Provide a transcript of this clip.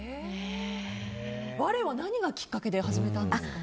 バレエは何がきっかけで始めたんですか？